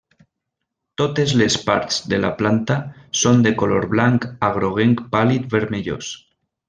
Totes les parts de la planta són de color blanc a groguenc pàl·lid vermellós.